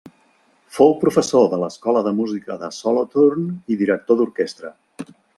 Fou professor de l'Escola de Música de Solothurn i director d'orquestra.